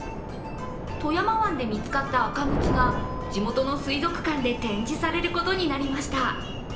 富山湾で見つかったアカグツが地元の水族館で展示されることになりました。